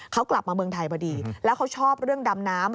เขากลับมาเมืองไทยพอดีแล้วเขาชอบเรื่องดำน้ำ